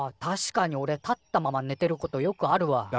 確かにおれ立ったままねてることよくあるわ。